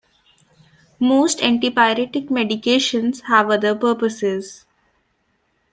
Most antipyretic medications have other purposes.